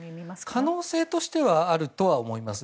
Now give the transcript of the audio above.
可能性としてはあるとは思います。